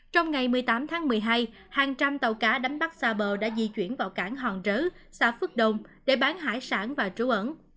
trong ngày một mươi tám tháng một mươi hai hàng trăm tàu cá đánh bắt xa bờ đã di chuyển vào cảng hòn rớ xã phước đông để bán hải sản và trú ẩn